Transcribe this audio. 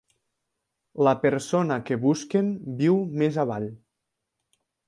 La persona que busquen viu més avall.